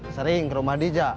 sering ke rumah dija